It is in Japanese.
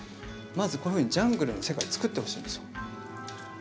まずこういうふうにジャングルの世界をつくってほしいんですよ。